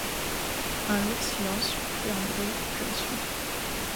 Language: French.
Un lourd silence, plus un bruit, plus un souffle.